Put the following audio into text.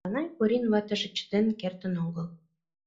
Эпанай Корин ватыже чытен кертын огыл: